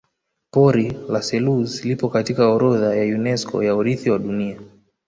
pori la selous lipo katika orodha ya unesco ya urithi wa dunia